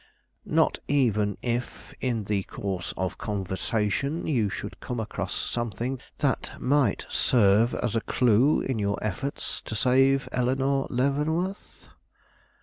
"Not even if, in the course of conversation, you should come across something that might serve as a clue in your efforts to save Eleanore Leavenworth?"